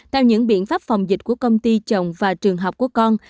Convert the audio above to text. theo những biện pháp phòng dịch của công ty chồng và trường học của con